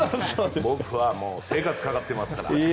僕は生活かかってますから。